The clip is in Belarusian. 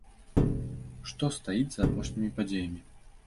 Што стаіць за апошнімі падзеямі?